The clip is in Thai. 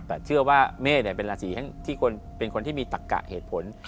แต่เชื่อว่าเมฆเป็นราศีที่เป็นคนที่มีตักกะเหตุผล